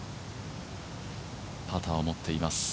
パターを持っています